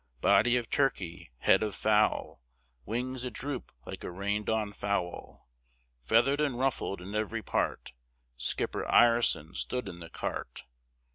Body of turkey, head of fowl, Wings a droop like a rained on fowl, Feathered and ruffled in every part, Skipper Ireson stood in the cart.